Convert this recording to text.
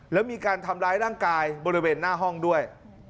แล้วมีการทำร้ายร่างกายบริเวณหน้าห้องด้วย